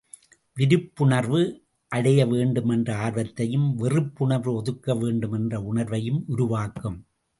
விருப்புணர்வு அடைய வேண்டுமென்ற ஆர்வத்தையும், வெறுப்புணர்வு ஒதுக்க வேண்டுமென்ற உணர்வையும், உருவாக்கும்.